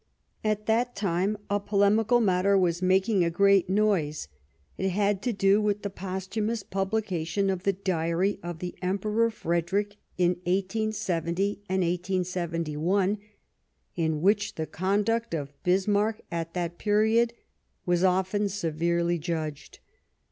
At that time a polemical matter was making" a great noise ; it had to do with the posthum.ous publication of the Diary of the Emperor Frederick in 1870 and 1871, in which the conduct of Bismarck at that period was often severely judged.